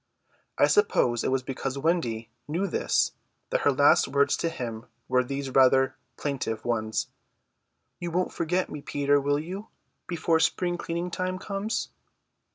I suppose it was because Wendy knew this that her last words to him were these rather plaintive ones: "You won't forget me, Peter, will you, before spring cleaning time comes?"